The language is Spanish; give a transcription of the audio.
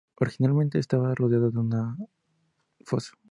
Originalmente estaba rodeado de un foso.